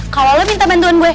kalau lo minta bantuan gue